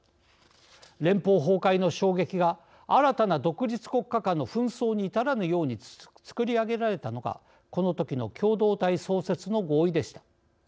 連邦崩壊の衝撃が、新たな独立国家間の紛争に至らぬように作り上げられたのがこのときの共同体創設の合意でした。